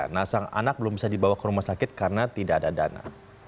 nah sang anak belum bisa dibawa ke rumah sakit karena tidak ada dana